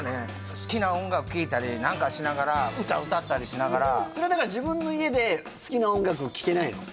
好きな音楽聴いたり何かしながら歌歌ったりしながらそれだから自分の家で好きな音楽聴けないの？